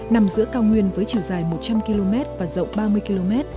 nằm giữa cao nguyên với chiều dài một trăm linh km và rộng ba mươi km